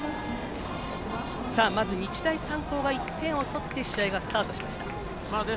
まず日大三高が１点を取って、試合がスタートしました。